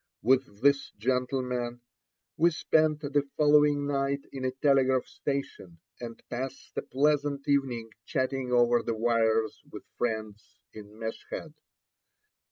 With this gentleman we spent the following night in a telegraph station, and passed a pleasant evening chatting over the wires with friends in Meshed.